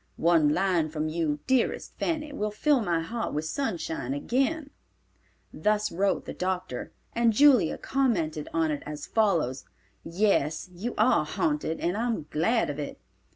One line from you, dearest Fanny, will fill my heart with sunshine again—" Thus wrote the doctor, and Julia commented on it as follows: "Yes, you are haunted, and I am glad of it.